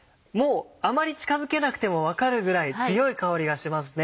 あまり近づけなくても分かるぐらい強い香りがしますね。